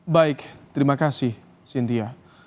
baik terima kasih cynthia